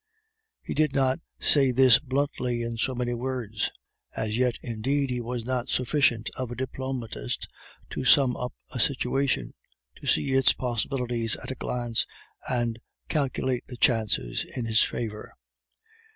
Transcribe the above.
He did not say this bluntly in so many words; as yet, indeed, he was not sufficient of a diplomatist to sum up a situation, to see its possibilities at a glance, and calculate the chances in his favor.